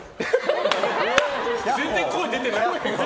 全然、声出てない。